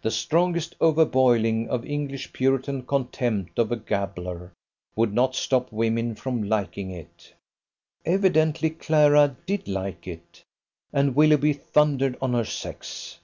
The strongest overboiling of English Puritan contempt of a gabbler, would not stop women from liking it. Evidently Clara did like it, and Willoughby thundered on her sex.